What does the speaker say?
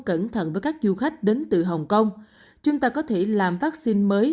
cẩn thận với các du khách đến từ hồng kông chúng ta có thể làm vắc xin